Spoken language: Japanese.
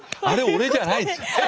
あれ俺じゃないですよ。